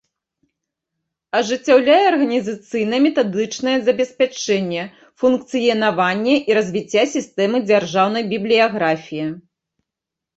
Ажыццяўляе арганiзацыйна-метадычнае забеспячэнне функцыянавання i развiцця сiстэмы дзяржаўнай бiблiяграфii.